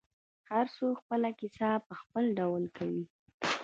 هر څوک خپله کیسه په خپل ډول کوي.